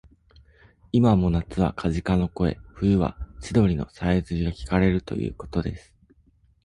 いまも夏はカジカの声、冬は千鳥のさえずりがきかれるということです